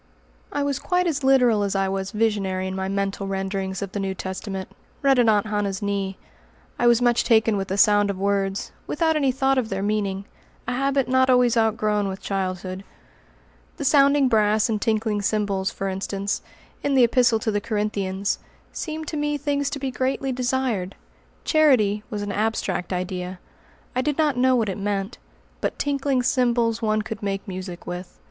I was quite as literal as I was visionary in my mental renderings of the New Testament, read at Aunt Hannah's knee. I was much taken with the sound of words, without any thought of their meaning a habit not always outgrown with childhood. The "sounding brass and tinkling cymbals," for instance, in the Epistle to the Corinthians, seemed to me things to be greatly desired. "Charity" was an abstract idea. I did not know what it meant. But "tinkling cymbals" one could make music with.